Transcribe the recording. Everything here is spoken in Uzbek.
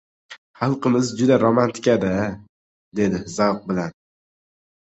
– Xalqimiz juda romantik-da, – dedi zavq bilan.